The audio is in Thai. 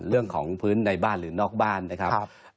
เรื่องของพื้นในบ้านหรือนอกบ้านนะครับ